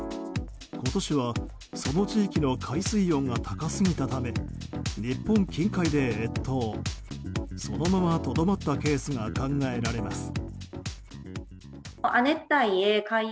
今年は、その地域の海水温が高すぎたため日本近海で越冬そのままとどまったケースが考えられます。